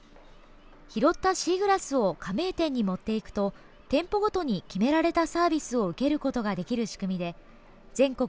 拾ったシーグラスを加盟店に持っていくと店舗ごとに決められたサービスを受けることができる仕組みで全国